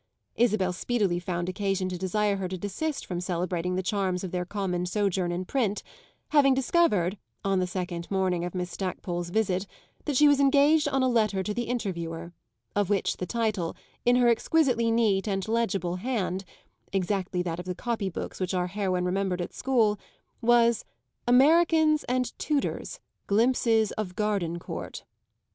Isabel speedily found occasion to desire her to desist from celebrating the charms of their common sojourn in print, having discovered, on the second morning of Miss Stackpole's visit, that she was engaged on a letter to the Interviewer, of which the title, in her exquisitely neat and legible hand (exactly that of the copybooks which our heroine remembered at school) was "Americans and Tudors Glimpses of Gardencourt."